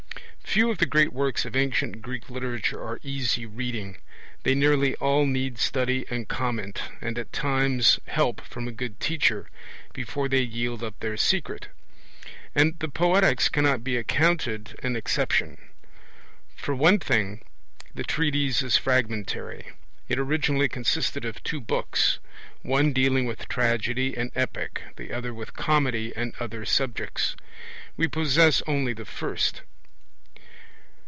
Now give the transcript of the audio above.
Few of the great works of ancient Greek literature are easy reading. They nearly all need study and comment, and at times help from a good teacher, before they yield up their secret. And the Poetics cannot be accounted an exception. For one thing the treatise is fragmentary. It originally consisted of two books, one dealing with Tragedy and Epic, the other with Comedy and other subjects. We possess only the first.